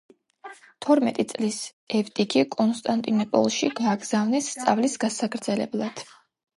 თორმეტი წლის ევტიქი კონსტანტინეპოლში გააგზავნეს სწავლის გასაგრძელებლად.